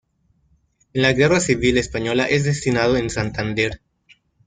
En la Guerra Civil Española es destinado en Santander.